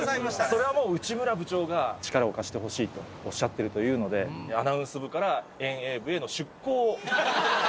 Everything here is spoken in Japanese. それはもう、内村部長が力を貸してほしいとおっしゃってるというので、アナウンス部から遠泳部への出向。